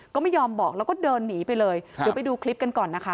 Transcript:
ก็ไม่ยอมบอกแล้วก็เดินหนีไปเลยเดี๋ยวไปดูคลิปกันก่อนนะคะ